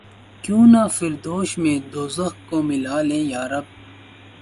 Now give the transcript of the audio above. کیوں نہ فردوس میں دوزخ کو ملا لیں یارب!